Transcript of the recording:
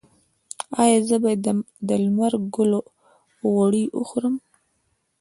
ایا زه باید د لمر ګل غوړي وخورم؟